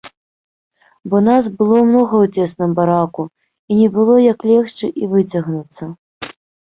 Бо нас было многа ў цесным бараку, і не было як легчы і выцягнуцца.